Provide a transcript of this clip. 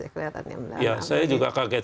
kelihatannya ya saya juga kaget